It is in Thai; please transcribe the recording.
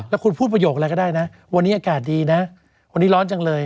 แล้วคุณพูดประโยคอะไรก็ได้นะวันนี้อากาศดีนะวันนี้ร้อนจังเลย